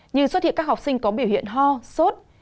như xuất hiện các học sinh có biểu hiện ho sốt